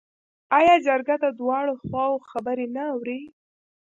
آیا جرګه د دواړو خواوو خبرې نه اوري؟